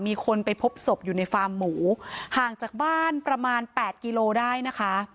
มีคนไปพบศพอยู่ในฟาร์มหมูห่างจากบ้านประมาณแปดกิโลได้นะคะ